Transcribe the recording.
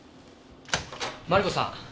マリコさん。